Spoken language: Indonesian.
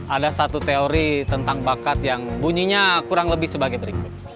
ada satu teori tentang bakat yang bunyinya kurang lebih sebagai berikut